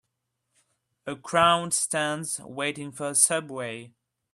A crowd stands, waiting for a subway.